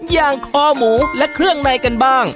อย่างคอหมูและเครื่องในกันบ้าง